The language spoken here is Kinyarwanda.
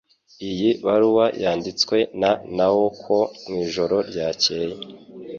Iyi baruwa yanditswe na Naoko mwijoro ryakeye